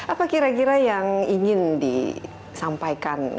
apa kira kira yang ingin disampaikan